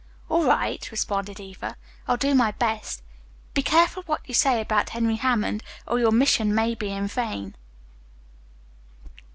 "All right," responded Eva. "I'll do my best. Be careful what you say about Henry Hammond, or your mission may be in vain."